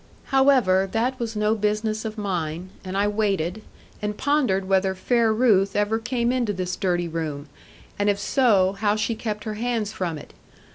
However, that was no business of mine, and I waited, and pondered whether fair Ruth ever came into this dirty room, and if so, how she kept her hands from it.